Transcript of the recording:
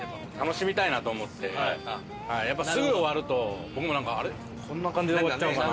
僕もすぐ終わると僕もなんか「あれ？こんな感じで終わっちゃうのかな」